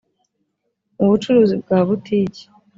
Mu bucuruzi bwa butiki